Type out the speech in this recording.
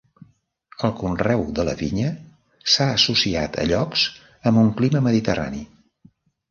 El conreu de la vinya s'ha associat a llocs amb un clima mediterrani.